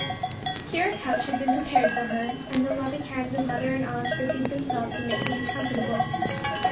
Here a couch had been prepared for her and the loving hands of mother and aunt busied themselves in making her comfortable.